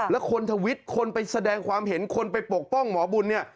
แล้วคนทวิตคนไปแสดงความเห็นคนไปปกป้องหมอบุญเนี่ย